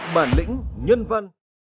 bản lĩnh nhân văn